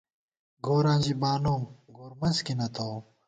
گوراں ژی بانوم، گورمنز کی نہ تَوُم